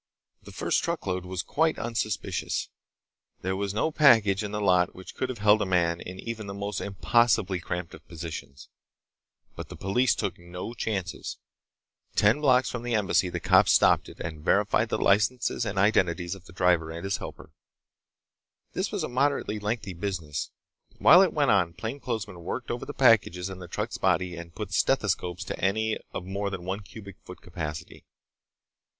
The first truckload was quite unsuspicious. There was no package in the lot which could have held a man in even the most impossibly cramped of positions. But the police took no chances. Ten blocks from the Embassy the cops stopped it and verified the licenses and identities of the driver and his helper. This was a moderately lengthy business. While it went on, plainclothesmen worked over the packages in the truck's body and put stethoscopes to any of more than one cubic foot capacity.